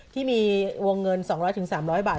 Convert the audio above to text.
ที่มีวงเงิน๒๐๐๓๐๐บาท